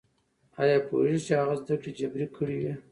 ايا پوهېږئ چې هغه زده کړې جبري کړې وې؟